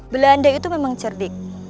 belanda itu memang cerdik